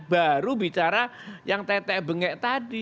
baru bicara yang tetek bengek tadi